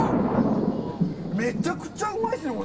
めちゃくちゃうまいですね。